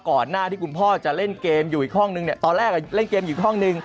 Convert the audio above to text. ก่อนหน้าที่คุณพ่อจะเล่นเกมอยู่อีกห้องนึงเนี่ยตอนแรกเล่นเกมอยู่ห้องนึง